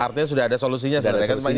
artinya sudah ada solusinya sebenarnya kan